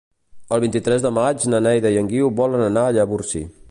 El vint-i-tres de maig na Neida i en Guiu volen anar a Llavorsí.